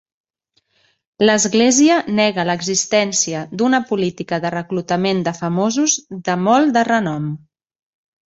L'església nega l'existència d'una política de reclutament de famosos de molt de renom.